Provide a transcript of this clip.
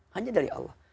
hanya dari allah